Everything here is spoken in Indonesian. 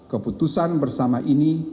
keputusan bersama ini